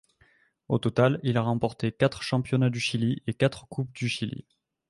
Au total il a remporté quatre Championnats du Chili et quatre Coupe du Chili.